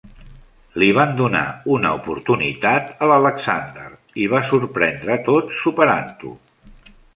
Le van donar una oportunitat a l'Alexander i va sorprendre a tots superant-ho.